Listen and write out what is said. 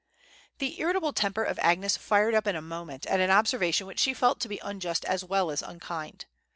The irritable temper of Agnes fired up in a moment at an observation which she felt to be unjust as well as unkind.